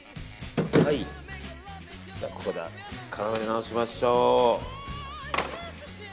ここで絡め直しましょう。